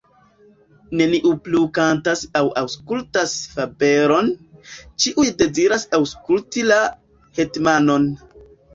Neniu plu kantas aŭ aŭskultas fabelon, ĉiuj deziras aŭskulti la hetmanon.